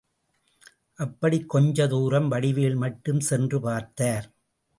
அப்படிக் கொஞ்ச தூரம் வடிவேல் மட்டும் சென்று பார்த்தார்.